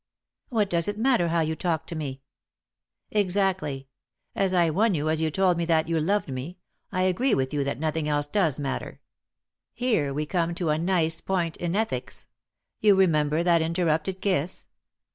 " What does it matter how you talked to me ?" "Exactly; as I won you, as you told me that you loved me, I agree with you that nothing else 66 3i 9 iii^d by Google THE INTERRUPTED KISS does matter. Here we come to a nice point in ethics. You remember that interrupted kiss